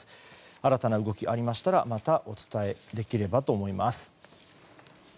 新たな動きがありましたらまたお伝えできればと思います。